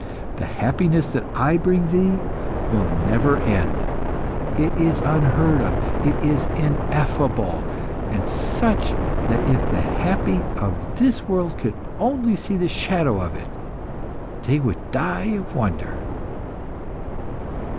The happiness that I bring thee will never end; it is unheard of, it is ineffable, and such that if the happy of this world could only see a shadow of it they would die of wonder."